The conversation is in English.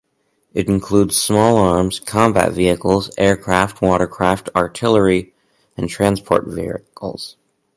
It includes small arms, combat vehicles, aircraft, watercraft, artillery and transport vehicles.